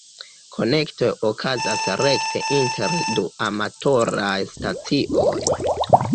Konektoj okazas rekte inter du amatoraj stacioj.